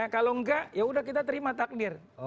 kalau enggak ya udah kita terima takdir